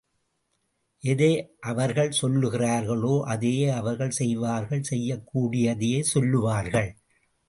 எதை அவர்கள் சொல்லுகிறார்களோ அதையே அவர்கள் செய்வார்கள், செய்யக் கூடியதையே சொல்லுவார்கள்.